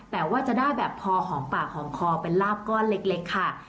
แต่ว่าจะได้แบบพอหอมปากหอมคอเป็นลาบก้อนเล็กค่ะ